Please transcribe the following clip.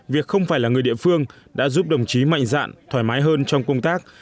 việc không phải là người địa phương đã giúp đồng chí mạnh dạn thoải mái hơn trong công tác